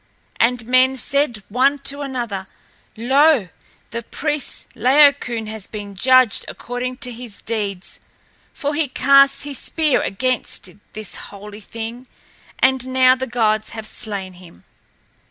And men said one to another, "Lo! the priest Laocoön has been judged according to his deeds; for he cast his spear against this holy thing, and now the gods have slain him."